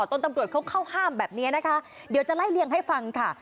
ตำรวจเขาเข้าห้ามแบบนี้นะคะเดี๋ยวจะไล่เลี่ยงให้ฟังค่ะ